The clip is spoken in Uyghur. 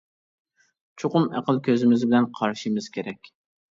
چوقۇم ئەقىل كۆزىمىز بىلەن قارىشىمىز كېرەك.